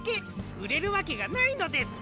うれるわけがないのです！